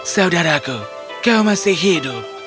saudaraku kau masih hidup